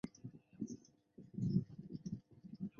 被衣山蛭为石蛭科石蛭属的动物。